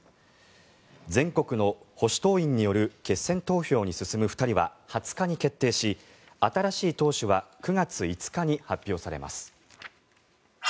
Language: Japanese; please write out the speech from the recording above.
全国の保守党員による決選投票に進む２人は２０日に決定し、新しい党首は９月５日に発表されます。